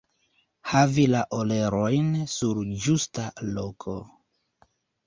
Havi la orelojn sur ĝusta loko.